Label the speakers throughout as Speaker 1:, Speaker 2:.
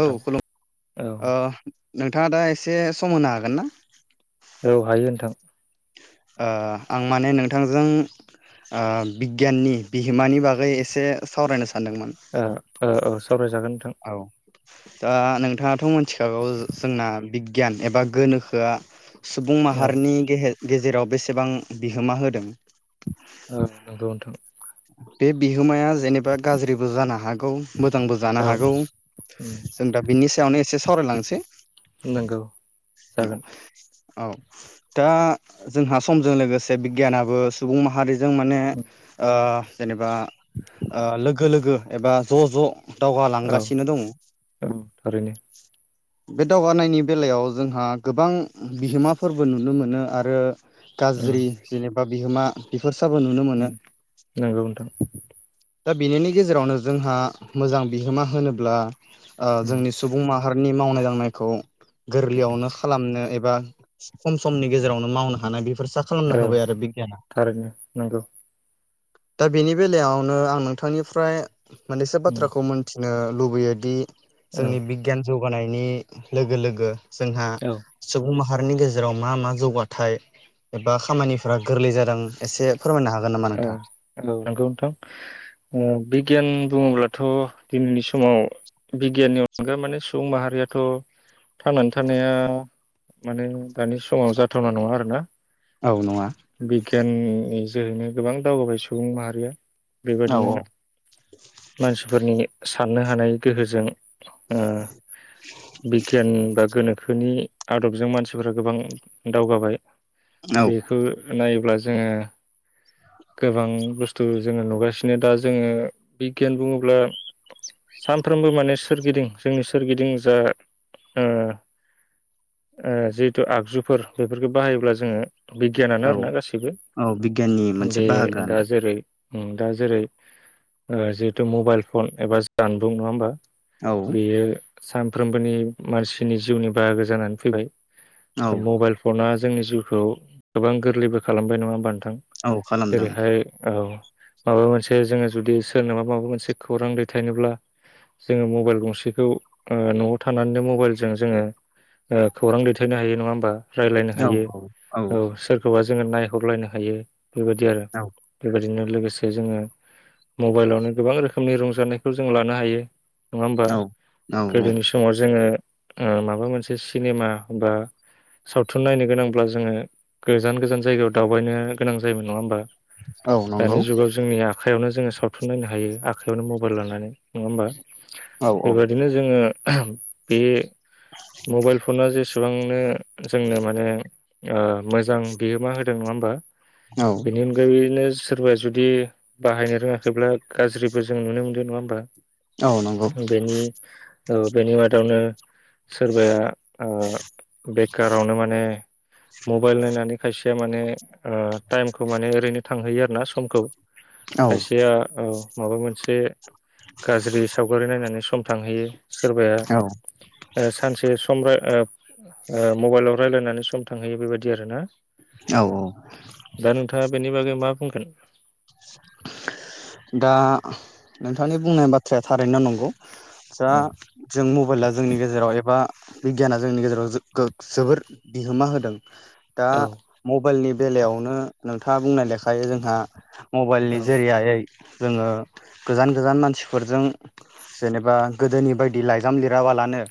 Speaker 1: औ खुलुम ओ
Speaker 2: औ
Speaker 1: नोंथाङा दा एसे सम होनो हागोन ना
Speaker 2: औ हायो नोंथां
Speaker 1: ओ आं माने नोंथांजों ओ बिगियाननि बिहोमानि बागै एसे सावरायनो सान
Speaker 2: औ औ सावरायजागोन नोंथां
Speaker 1: औ दा नोंथाङाथ मिथिखागौ जोंना बिगियान एबा गोनोखोआ सुबुं
Speaker 2: औ
Speaker 1: माहारिनि गेहेेर गेजेराव बेसेबां बिहोमा होदों
Speaker 2: औ नंगौ नोंथां
Speaker 1: बे बिहोमाया जेनेबा गाज्रिबो जानो हागौ मोजांबो जानो
Speaker 2: औ
Speaker 1: हागौ
Speaker 2: उम
Speaker 1: जों दा बिनि सायावनो एसे सावरायलांसै
Speaker 2: नंगौ
Speaker 1: औ
Speaker 2: जागोन
Speaker 1: औ दा जोंहा समजों लोगोसे बिगियानाबो सुबुं माहारि जों माने
Speaker 2: उम
Speaker 1: ओ जेनेबा ओ लोगो लोगो एबा ज' ज'
Speaker 2: औ
Speaker 1: दावगालांगासिनो दङ
Speaker 2: थारैनो
Speaker 1: बे दावगानायनि बेलायाव जोंहा गोबां बिहोमाफोरबो नुनो मोनो आरो
Speaker 2: औ
Speaker 1: गाज्रि जेनबा बा बिहोमा फोरसाबो नुनो
Speaker 2: उम
Speaker 1: मोनो
Speaker 2: नंगौ नोंथां
Speaker 1: दाबिनिनि गेजेरावनो जोंहा मोजां बिहोमा होनोब्ला ओ
Speaker 2: उम
Speaker 1: जोंनि सुब मा फारनि मावनाय दांनायखौ
Speaker 2: उम
Speaker 1: गोरलैयावनो खालामनो एबा बा खम समनि गेजेरावनो मावनो हानाय बेफ फोरसा खालामना
Speaker 2: औ
Speaker 1: होबाय आरो बिगियाना‌।
Speaker 2: थारैनो नंगौ
Speaker 1: दा बेनि बेलायावनो आं नोंथांनिफ्राय मोननैसो
Speaker 2: उम
Speaker 1: बाथ्राखौ मोनथिनो लुबैयोदि
Speaker 2: औ
Speaker 1: जोंनि बिगियान जौग गानायनि लोगो लोगो जोंहा
Speaker 2: औ
Speaker 1: सुबुं माहा भारतनि गेजेराव मा मा जौगाथाय एबा खामानिफोरा गोरलै जादों एसे फोरमायनो हागोन नामा नोंथाङा।
Speaker 2: औ नंगौ नोंथां ओ बिगियान बुङोब्लाथ' दिनैनि समाव बिगियाननि अनगा माने सुबुं माहारियाथ' थांनानै थानाया माने दानि समाव जाथावना नङा आरोना।
Speaker 1: औ नङा।
Speaker 2: जेन जरैनो गोबां दावगाबाय सुबुं माहारिया
Speaker 1: औ
Speaker 2: बेबायदिनो मानसिफोरनि साननो हानाय गोहोजों ओ बिगियान बा गोनो खोनि आदबजों मानसिफ गोबां दावगाबाय।
Speaker 1: औ
Speaker 2: बेखौ नायोब्ला जोङो गोबां बुस्थु जोङो नुगासिनो दा जोङो बिगियान बुङोब्ला सानफ्रोमबो माने सोरगिदिं जोंनि सोरगिदिं जा ओ ओ जिहेथु आगजुफोर बेफोरखौ बाहायोब्ला जोंङो बिगियानानो आरोना
Speaker 1: औ
Speaker 2: गासैबो।
Speaker 1: औ बिगियाननि मोनसे
Speaker 2: बे
Speaker 1: बाहागोआनो
Speaker 2: दा जेरै उम दा जेरै जिहेथु मबाइल फन एबा जानबुं नङा होमबा
Speaker 1: औ
Speaker 2: बेयो सानफ्रोमबोनि मानसिनि जिउनि बाहागो जानानै फैबाय।
Speaker 1: औ
Speaker 2: दा मबाइल फना जोंनि जिउखौ गोबां गोरलैबो खालामबाय नङा होमानोबा नों
Speaker 1: औ खालामदों
Speaker 2: जेरैहाय औ माबा मोनसे जोंङो जुदि सोरनोबा माबा मोनसे खौरां दैथायनोब्ला जोंङो मबाइल गंसेखौ न'आव थानानैनो मबाइलजों जोंङो ओ खौरां दैथायनो हायो नङा होमबा? राय्लायनो हायो औ सोरखौबा जोंङो नायहरलायनो हायो। बेबायदि आरो बेबायदिनो लोगोसे जोंङो मबाइलावनो गोबां रोखोमनि रंजानायखौ जों लानो हायो। नङा होमबा
Speaker 1: औ
Speaker 2: गोदोनि समाव जोंङो ओ माबा मोनसे सिनेमा बा सावथुन नायनो गोनांब्ला जोंङो गोजान गोजान जायगायाव दावबायनो गोनां जायोमोन नङा होनोमबा?
Speaker 1: औ नंगौ
Speaker 2: दानि जुगाव जोंनिया आखाइयावनो जोङो सावथुन नायनो हायो। आखाइायावनो मबाइल लानानै नङा होमबा?
Speaker 1: औ औ
Speaker 2: बेबादिनो जोंङो बे मबाइल फना जेसेबांनो जोंनो माने मोजां ओ बिहोमा होदों नङा होमबा?
Speaker 1: औ
Speaker 2: बिनि अनगायै बिदिनो सोरबाया जुदि बाहायनो रोङाखैब्ला गाज्रिबो जों नुनो मोनदों नङा होमबा?
Speaker 1: औ नंगौ
Speaker 2: बेनि ओ बेनि मादावनो सोरबाया आ बेकारावनो माने मबाइल नायनानै खायसेया माने ओ टाइमखौ माने ओरैनो थांहैयो आरो ना समखौ।
Speaker 1: औ
Speaker 2: खायसेया औ माबा मोनसे गाज्रि सावगारि नायनानै स सम थांहैयो।
Speaker 1: औ
Speaker 2: सोरबाया सानसे सम रा ओ ओ मबाइलाव रायलायनानै सम थांहैयो बेबायदि आरो ना।
Speaker 1: औ औ।
Speaker 2: दा नोंथाङा बेनि बागै मा बुंगोन?
Speaker 1: दा नोंथांनि बुंनाय बाथ्राया थारैनो नंगौ। जा जों मबाइला जोंनि गेजेराव एबा बिगियाना जोंनि गेजेराव गो जोबोर बिहोमा होदों। दा
Speaker 2: औ
Speaker 1: मबाइलनि बेलायावनो नोंथाङा बुंनाय लेखा थायो जोंहा। मबाइलनि
Speaker 2: औ
Speaker 1: जोरैआयै। जोङो गोजान गोजान मानसिफोरजों जेनेबा गोदोनि बायदि लाइजाम लिराबालानो।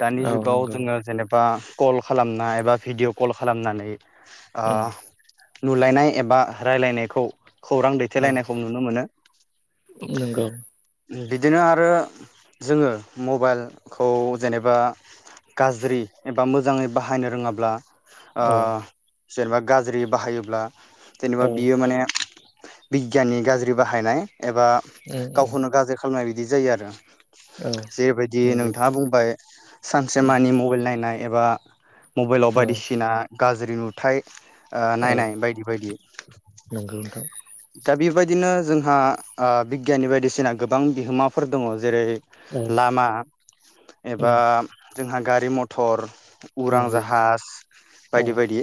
Speaker 1: दानि
Speaker 2: औ
Speaker 1: जुगाव
Speaker 2: नंगौ
Speaker 1: जोङो जेब बा कल खालामना एबा भिडिय' कल खालामनानै। ओ।
Speaker 2: उम
Speaker 1: नुलायनाय एबा रायलायनायखौ। खौरां
Speaker 2: औ
Speaker 1: दैथायलायनायखौ नुनो मोनो।
Speaker 2: नंगौ
Speaker 1: बिदिनो आरो जोङो मबाइलखौ जेनेबा गाज्रि एबा मोजाङै बाहायनो रोङाब्ला। अ।
Speaker 2: औ
Speaker 1: जेनेबा गाज्रि बाहायोब्ला। जेनबा
Speaker 2: औ
Speaker 1: बियो माने। बिगियाननि गाज्रि बाहायनाय। एबा
Speaker 2: उम उम
Speaker 1: गावखौनो गाज्रि खालामनाय बि बिदि जायो आरो।
Speaker 2: औ
Speaker 1: जेबायदि
Speaker 2: नंगौ
Speaker 1: नोंथाङा
Speaker 2: नोंथां
Speaker 1: बुंबाय
Speaker 2: उम
Speaker 1: सानसेमानि मबाइल नायनाय। एबा। मबाइलाव
Speaker 2: औ
Speaker 1: बायदिसिना। गाज्रि नुथाय। ओ
Speaker 2: औ
Speaker 1: नायनाय बायदि बायदि।
Speaker 2: नंगौ नोंथां
Speaker 1: दा बेबायदिनो जोंहा ओ बिगियाननि बायदिसिना गोबां बिहोमाफोर दङ जेरै।
Speaker 2: औ
Speaker 1: लामा
Speaker 2: उम
Speaker 1: एबा। जोंहा गारि मथर। उरां
Speaker 2: नंगौ
Speaker 1: जाहाज
Speaker 2: औ
Speaker 1: बायदि बायदि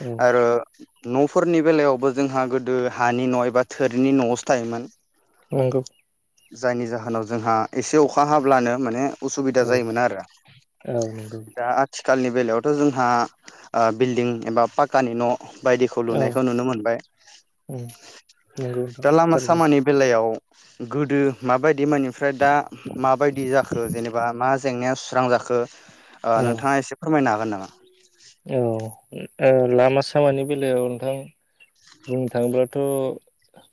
Speaker 2: औ
Speaker 1: आरो। न'फोरनि बेलायावबो जोंहा गोदो, हानि न' एबा थोरिनि न'आवसो थायोमोन
Speaker 2: नंगौ
Speaker 1: जायनि जाहोनाव जोंहा एसे अखा हाब्लानो माने उसुबिदा
Speaker 2: औ
Speaker 1: जायोमोन आरो
Speaker 2: औ नंगौ
Speaker 1: दा आथि थिखालनि बेलायावथ जोंहा ओ बिल्डिं एबा पाक्कानि न' बायदिखौ
Speaker 2: औ
Speaker 1: लुनायखौ नुनो मोनबाय
Speaker 2: उम नंगौ नोंथां
Speaker 1: दा लामा
Speaker 2: थारैनो
Speaker 1: सामानि बेलायाव गोदो माबायदि बिमानिफ्राय दा माबायदि जाखो जेनेबा मा जेंनायाव सु स्रां जाखो ओ
Speaker 2: औ
Speaker 1: नोंथाङा एसे फोरमायनो हागोन गोन नामा
Speaker 2: औ ओ लामा सामानि बेलायाव नोंथां बुंनो थाङोब्लाथ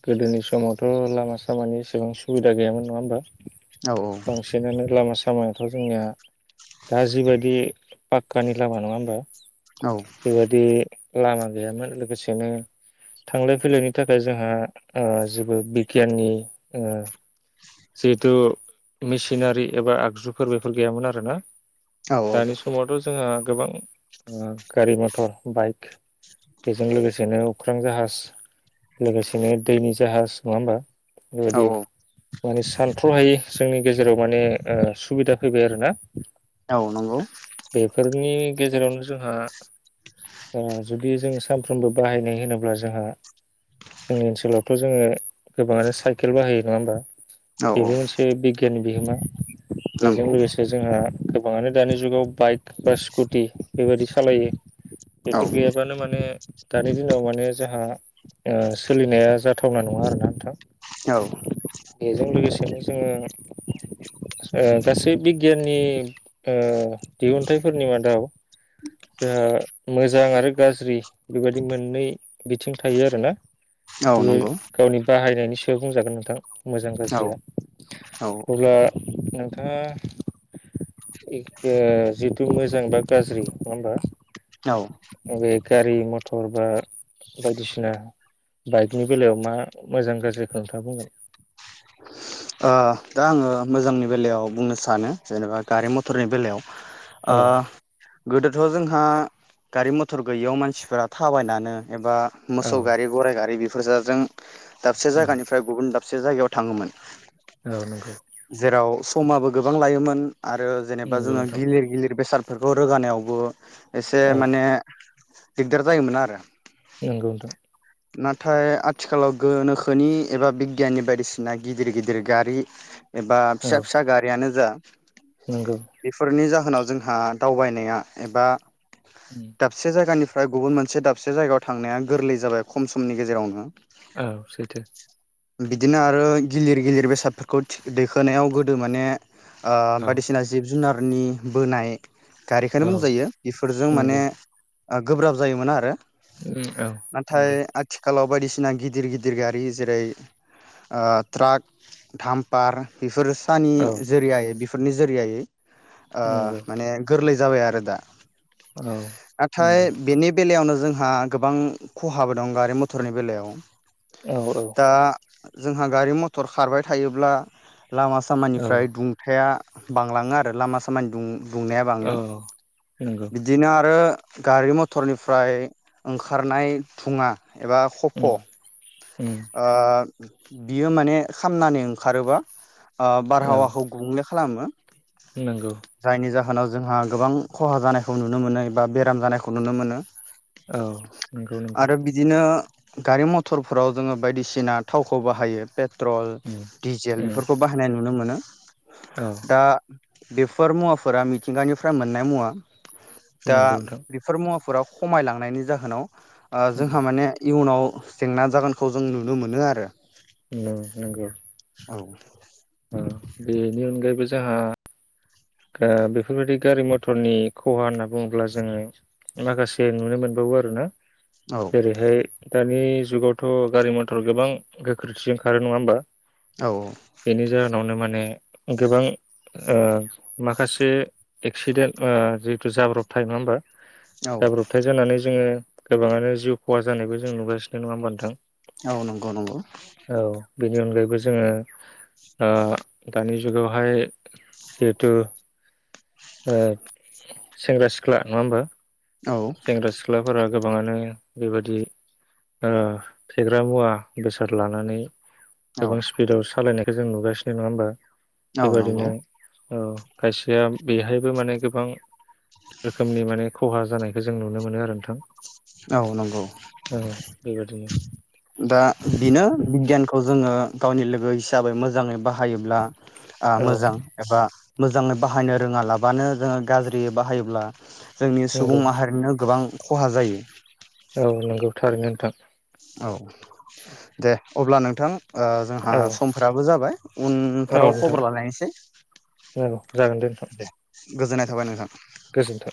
Speaker 2: गोदोनि समावथ लामा सामानि एसेबां सुबिदा गैयामोन नङा होमबा
Speaker 1: औ
Speaker 2: बांसिनानो लामा साम सायाथ जोंनिया दा जिबायदि पाक्कानि लामा नङा होमबा
Speaker 1: औ
Speaker 2: बेबायदि लामा गैयामोन लोगोसेनो थांलाय फैलायनि थाखाय जोंहा ओ जेबो बिगियाननि जोङो जिहेथु मेसिनारि एबा आगजुफोर बेफोर गैयामोन आरोना
Speaker 1: औ
Speaker 2: दानि समावथ जोंहा गोबां गारि मथर बाइक बेजों लोगोसेनो अख्रां जाहाज लोगोसेनो दैनि जाहाज नङा होनबा
Speaker 1: औ
Speaker 2: गोदो माने सानथ्रहायै जोंनि गेजेराव माने ओ सुबिदा फैबाय आरोना
Speaker 1: औ नंगौ
Speaker 2: बेफोरनि गेजेरावनो जोंहा ओ जुदि जोंङो सानफ्रोमबो बाहायनाय होनोब्ला जोंहा जोंनि ओनसोलाव जोङो गोबाङानो साइकेल बाहायो नङा होमबा
Speaker 1: औ औ
Speaker 2: बेबो मोनसे बिगियाननि बिहोमा बेजों
Speaker 1: नंगौ
Speaker 2: लोगोसे जोंहा गोबाङानो दानि जुगाव बाइक बा स्कुटि बेबायदि सालायो
Speaker 1: औ
Speaker 2: बेफोर गैयाबानो माने दानि दिनाव माने जोंहा ओ सोलिनाया जाथावना नङा आरोना नोंथां
Speaker 1: औ
Speaker 2: बेजों लोगोसे जोङो ओ गासै बिगियाननि ओ दिहुनथाइफोरनि मादाव जोंहा मोजां आरो गाज्रि बेबायदि मोननै बिथिं थायो आरोना
Speaker 1: औ
Speaker 2: बियो
Speaker 1: नंगौ
Speaker 2: गावनि बाहाय जनायनि सायाव बुंजागोन नोंथां मोजां
Speaker 1: औ
Speaker 2: गाज्रिया
Speaker 1: औ
Speaker 2: अब्ला नोंथाङा ओ जिथु मोजां बा गाज्रि नंआ होमबा
Speaker 1: औ
Speaker 2: बे गारि मथर बा बायदिसिना बाइकनि बेलायाव मा मोजां गाज्रिखौ खोंथा बुंगोन?
Speaker 1: ओ दा आङो मोजांनि बेलायाव बुंनो सानो जेनेबा गारि मथरनि बेलायाव आ
Speaker 2: औ
Speaker 1: गोदोथ' जोंहा गारि मथर गैयियाव मानसिफोरा थाबायनानो एबा
Speaker 2: औ
Speaker 1: मोसौ गारि गराइ गारि बि फसाजों दाबसे
Speaker 2: उम
Speaker 1: जायानिफ्राय गुबुन दाब मोनसे जायायाव थाङोमोन
Speaker 2: औ नोंगौ
Speaker 1: जेराव समाबो गोबां लायोमोन आरो जेनेबा
Speaker 2: नंगौ
Speaker 1: जोङो
Speaker 2: नोंथां
Speaker 1: गिलिर गिलिर बेसाद बेफोरखौ रोगानायावबो एसे
Speaker 2: औ
Speaker 1: माने दिगदार जामोन आरो
Speaker 2: नंगौ नोंथां
Speaker 1: नाथाय आथिखालाव गोनोखोनि एबा बिगियाननि बायदिसि सिना गिदिर गिदिर गारि एबा फिसा
Speaker 2: औ
Speaker 1: फिसा गारियानो जा
Speaker 2: नंगौ
Speaker 1: [inaudible] बेफोरनि जा उनाव जोंहा दावबायनाया एबा
Speaker 2: उम
Speaker 1: दाबसे जायगानि गुबुन मोनसे दाबसे जायगायाव थांनाया गोरलै जाबाय खम समनि गेजेरावनो
Speaker 2: औ सैथो
Speaker 1: बिदिनो आ आरो गिलिर गिलिर बेसादफोरखौ दैखोनायाव गोदो माने ओ
Speaker 2: औ
Speaker 1: बायदिसिना जिब जुनारनि बोनाय गारिखनो
Speaker 2: औ
Speaker 1: बुंजायो बेफोरजों माने
Speaker 2: नंगौ
Speaker 1: गोब्राब जायोमोना आरो
Speaker 2: उम औ
Speaker 1: नाथाय
Speaker 2: नंगौ
Speaker 1: आथिखालाव बायदिसिना गिदिर गिदिर गारि जेरै ट्राक दामपार बेफोर तानि
Speaker 2: औ
Speaker 1: जेरियाय बेफ फोरनि जोरियायै ओ
Speaker 2: नंगौ
Speaker 1: माने गोरलै जाबाय आरो दा
Speaker 2: औ
Speaker 1: नाथाय
Speaker 2: नंगौ
Speaker 1: बेनि बेलायावनो जोंहा गोबां खहाबो दं गारि मथरनि बेलायाव
Speaker 2: औ औ
Speaker 1: दा जोंहा गारि मथर खारबाय थायोब्ला लामा
Speaker 2: औ
Speaker 1: सामानिफ्राय दुंथाया बांलांङो आरो लामा सामानि दुं दुंनाया बाङो
Speaker 2: औ नंगौ
Speaker 1: बिदिनो आरो गारि मथरनिफ्राय ओंखारनाय धुङा एबा खफ'
Speaker 2: उम
Speaker 1: उ
Speaker 2: उम
Speaker 1: बियो माने खामनानै ओंखारोबा ओ
Speaker 2: औ
Speaker 1: बारहावाखौ गुबुंनो खालामो
Speaker 2: नंगौ
Speaker 1: जायनि जाहोनाव जोंहा गोबां खहा जानायखौ नुनो मोनो एबा बेराम जानायखौ नुनो मोनो
Speaker 2: औ नंगौ नंगौ
Speaker 1: आरो बिदिनो गारि मथरफोराव जोङो बायदिसिना थाव खौ बाहायो पे ट्रल
Speaker 2: उम
Speaker 1: डिजेल
Speaker 2: उम
Speaker 1: बेफोरखौ बाहायनाय नुनो मोनो
Speaker 2: औ
Speaker 1: दा बेफोर मुवाफोरा मिथिंगानिफ्राय मोननाय मुवा। दा
Speaker 2: नंगौ नोंथां
Speaker 1: बेफोर मुवाफोराव। खमालांनायनि जाहोनाव। ओ
Speaker 2: उम
Speaker 1: जोंहा माने। इयुनाव जेंना जागोनखौ जों नुनो मोनो आरो।
Speaker 2: नों नंगौ।
Speaker 1: औ
Speaker 2: ओ बेनि अनगायैबो जोंहा। ओ बेफोरबायदि गारि मथरनि खहा होनना बुङोब्ला जोङो माखासे नुनो मोनबावो आरोना। जेरैहाय। दानि जुगावथ' गारि मथर गोबां गोख्रैथिजों खारो नङा होमबा।
Speaker 1: औ
Speaker 2: बेनि जाहोनावनो माने। गोबां। माखासे एक्सिडेन्ट जिहेथु जाब्रबथाय नङा होमबा।
Speaker 1: औ
Speaker 2: गाब्रबथाय जानानै जोङो। गोबाङानो जिउ खहा जानायबो जों नुगासिनो नङा होमबा नोंथां।
Speaker 1: औ नंगौ नंगौ।
Speaker 2: औ बेनि अनगायैबो जोङो। ओं दानि जुगनि। जुगावहाय। जेहुथु। सेंग्रा सिख्ला नङा होनबा।
Speaker 1: औ
Speaker 2: सेंग्रा सिख्लाफोरा। गोबाङानो बेबायादि फेग्रा मुवा बेसाद लानानै
Speaker 1: औ
Speaker 2: गोबां स्पिडाव सालायनाय जों नुगासिनो नङा होमबा।
Speaker 1: औ नंगौ
Speaker 2: बेबायदिनो। औ खायसेया बेहायबो माने गोबां रोखोमनि माने खहा जानाय। बेखौ जों नुनो मोनो आरो नोंथां।
Speaker 1: औ नंगौ।
Speaker 2: औ [inaudible]
Speaker 1: दा बेनो बिगियानखौ खौ जोङो गावनि लोगो हिसाबै मोजाङै बाहायोब्ला।
Speaker 2: औ
Speaker 1: मोजां एबा। मोजाङै बाहायनो रोङालाबानो जोङो गाज्रि बाहायोब्ला। जोंनि
Speaker 2: नंगौ
Speaker 1: सुबुं माहारिनो गोबां खहा जायो।
Speaker 2: औ नंगौ थारैनो नोंथां ।
Speaker 1: औ। दे। अब्ला नोंथां जोंहा
Speaker 2: औ
Speaker 1: समफ्राबो जाबाय
Speaker 2: औ
Speaker 1: उनफोराव
Speaker 2: नोंथां
Speaker 1: खबर लालायनोसै
Speaker 2: औ जागोन नोंथां
Speaker 1: दे गोजोननाय थाबाय नोंथां।
Speaker 2: गोजोन्थों